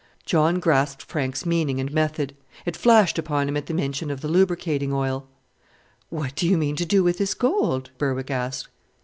John grasped Frank's meaning and method. It flashed upon him at the mention of the lubricating oil. "What do you mean to do with this gold?" Berwick asked.